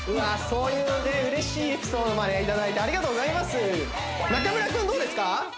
そういうね嬉しいエピソードまでいただいてありがとうございます中村君どうですか？